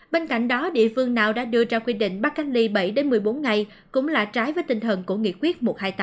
bên cạnh đó địa phương nào đã đưa ra quy định bắt cách ly bảy một mươi bốn ngày cũng là trái với tinh thần của nghị quyết một trăm hai mươi tám